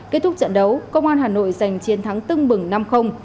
kết thúc trận đấu công an hà nội giành chiến thắng tưng bừng năm